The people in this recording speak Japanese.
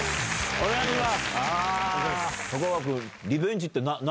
お願いします。